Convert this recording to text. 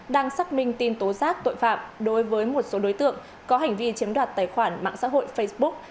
đang xác minh tin tố giác tội phạm đối với một số đối tượng có hành vi chiếm đoạt tài khoản mạng xã hội facebook